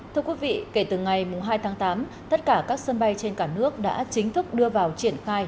thưa quý vị kể từ ngày hai tháng tám tất cả các sân bay trên cả nước đã chính thức đưa vào triển khai